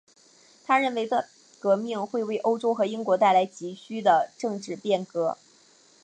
他认为大革命会为欧洲和英国带来急需的政治变革。